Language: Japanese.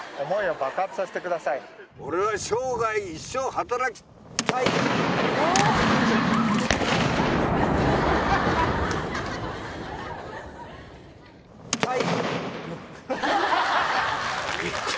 俺は生涯一生働きたい！たい！